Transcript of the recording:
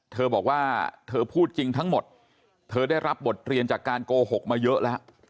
เธอบอกว่าเธอพูดจริงทั้งหมดเธอได้รับบทเรียนจากการโกหกมาเยอะแล้ว